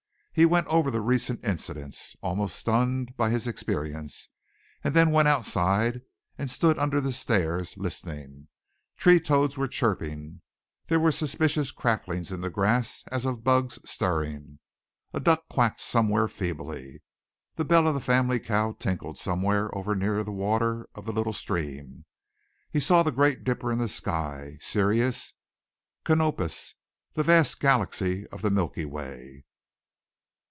He went over the recent incidents, almost stunned by his experience and then went outside and stood under the stairs, listening. Tree toads were chirping, there were suspicious cracklings in the grass as of bugs stirring. A duck quacked somewhere feebly. The bell of the family cow tinkled somewhere over near the water of the little stream. He saw the great dipper in the sky, Sirius, Canopus, the vast galaxy of the Milky Way.